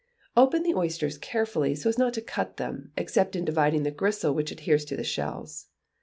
Open the oysters carefully, so as not to cut them, except in dividing the gristle which adheres to the shells.